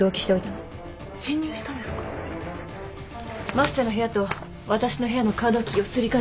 升瀬の部屋と私の部屋のカードキーをすり替えたの。